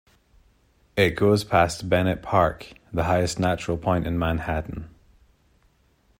It goes past Bennett Park, the highest natural point in Manhattan.